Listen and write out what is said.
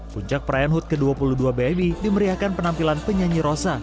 puncak perayaan hut ke dua puluh dua bmi dimeriahkan penampilan penyanyi rosa